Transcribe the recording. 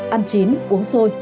ăn chín uống sôi